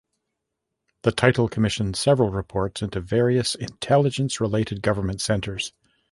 The title commissioned several reports into various intelligence-related government centers.